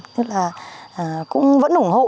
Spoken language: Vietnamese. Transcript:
tức là cũng vẫn ủng hộ